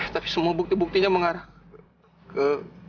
tapi semua bukti buktinya mengarah ke